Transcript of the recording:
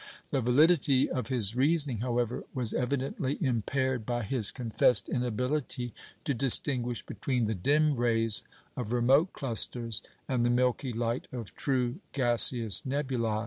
The validity of his reasoning, however, was evidently impaired by his confessed inability to distinguish between the dim rays of remote clusters and the milky light of true gaseous nebulæ.